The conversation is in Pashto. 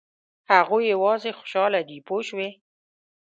هغوی یوازې خوشاله دي پوه شوې!.